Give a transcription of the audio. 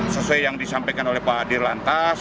sesuai yang disampaikan oleh pak adir lantas